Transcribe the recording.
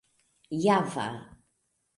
java